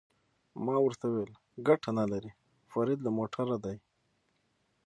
ما ورته وویل: ګټه نه لري، فرید له موټره دې.